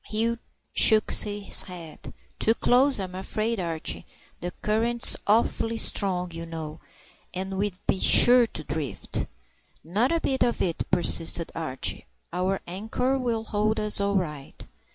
Hugh shook his head. "Too close, I'm afraid, Archie. The current's awfully strong, you know, and we'd be sure to drift." "Not a bit of it," persisted Archie. "Our anchor'll hold us all right."